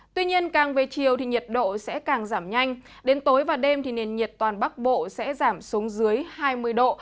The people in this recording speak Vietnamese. tuy nhiên càng về chiều thì nhiệt độ sẽ càng giảm nhanh đến tối và đêm thì nền nhiệt toàn bắc bộ sẽ giảm xuống dưới hai mươi độ